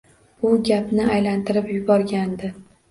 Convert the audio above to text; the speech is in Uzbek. U gapni aylantirib yuborgandi.